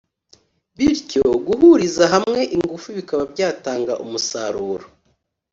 bityo guhuriza hamwe ingufu bikaba byatanga umusaruro